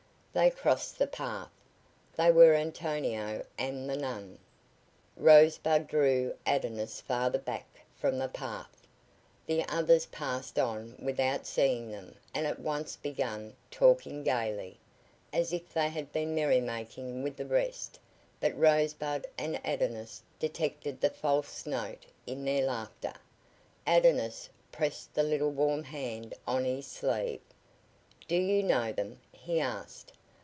They crossed the path. They were Antonio and the nun. Rosebud drew Adonis farther back from the path. The others passed on without seeing them and at once began talking gaily, as if they had been merrymaking with the rest but Rosebud and Adonis detected the false note in their laughter. Adonis pressed the little warm hand on his sleeve. "Do you know them?" he asked.